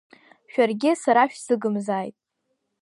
Шәаргьы сара шәсыгымзааит!